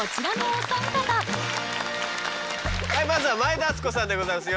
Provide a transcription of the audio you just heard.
はいまずは前田敦子さんでございます。